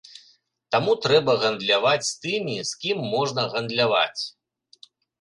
Таму трэба гандляваць з тымі, з кім можна гандляваць.